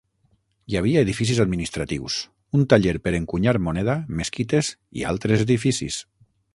Hi havia edificis administratius, un taller per encunyar moneda, mesquites i altres edificis.